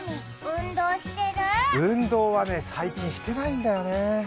運動は最近していないんだよね。